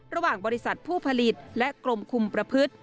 ระหว่างบริษัทผู้ผลิตและกรมคุมประพฤติ